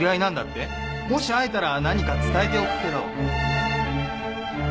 もし会えたら何か伝えておくけど？